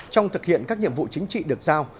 trong thực hiện các nhiệm vụ chính trị được giao